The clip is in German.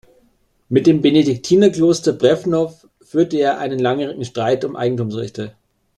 Mit dem Benediktinerkloster Břevnov führte er einen langjährigen Streit um Eigentumsrechte.